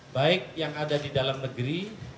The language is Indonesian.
baik yang ada di dalam negeri